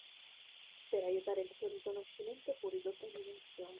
Per aiutare il suo riconoscimento fu ridotta in dimensioni.